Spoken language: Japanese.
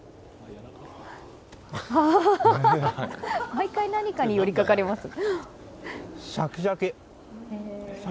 毎回何かに寄りかかりますね。